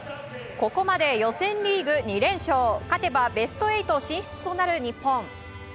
ここまで予選リーグ２連勝勝てばベスト８進出となる日本。